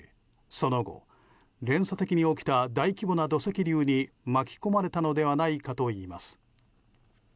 その後、連鎖的に起きた大規模な土石流に巻き込まれたのではないかと言います。